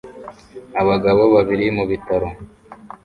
Abagabo babiri mu bitaro